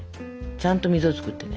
ちゃんと溝を作ってね。